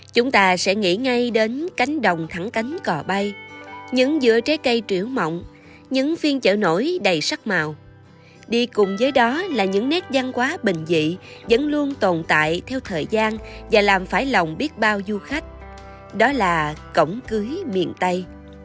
chúng ta sẽ nghĩ ngay đến cánh đồng thẳng cánh cỏ bay những vựa trái cây trượu mọng những phiên chợ nổi đầy sắc màu đi cùng với đó là những nét văn hóa bình dị vẫn luôn tồn tại theo thời gian và làm phải lòng biết bao du khách đó là cổng cưới miền tây